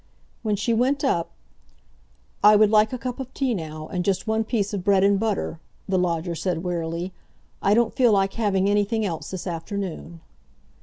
When she went up, "I would like a cup of tea now, and just one piece of bread and butter," the lodger said wearily. "I don't feel like having anything else this afternoon."